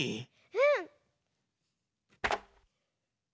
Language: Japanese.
うん？